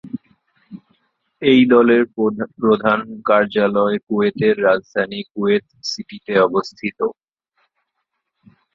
এই দলের প্রধান কার্যালয় কুয়েতের রাজধানী কুয়েত সিটিতে অবস্থিত।